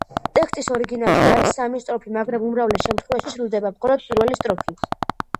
ტექსტის ორიგინალში არის სამი სტროფი, მაგრამ უმრავლეს შემთხვევაში სრულდება მხოლოდ პირველი სტროფი.